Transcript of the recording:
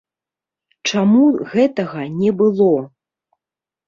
Чаму гэтага не было?